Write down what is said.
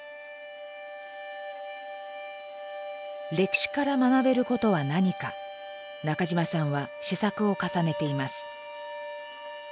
歴史から学べることは何か中島さんは思索を重ねています。